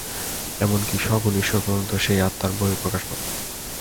এমন কি, সগুণ ঈশ্বর পর্যন্ত সেই আত্মার বহিঃপ্রকাশমাত্র।